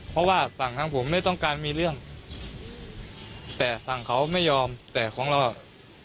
เพราะว่าฝั่งทางผมไม่ต้องการมีเรื่องแต่ฝั่งเขาไม่ยอมแต่ของเราอ่ะ